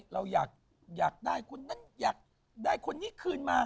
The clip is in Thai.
เราอยากได้คนนั้นอยากได้คนนี้คืนมา